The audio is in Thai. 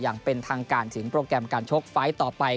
อย่างเป็นทางการถึงโปรแกรมการชกไฟล์ต่อไป